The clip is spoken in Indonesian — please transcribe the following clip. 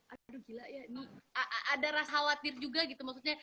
aduh gila ya nih ada rasa khawatir juga gitu maksudnya